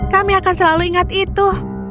kami akan selalu ingat itu